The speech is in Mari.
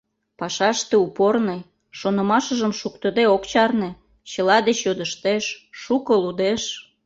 Пашаште упорный, шонымашыжым шуктыде ок чарне, чыла деч йодыштеш, шуко лудеш.